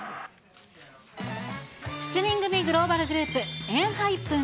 ７人組グローバルグループ、ＥＮＨＹＰＥＮ。